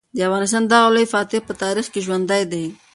د افغانستان دغه لوی فاتح په تاریخ کې ژوندی دی.